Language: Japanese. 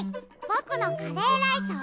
ぼくのカレーライス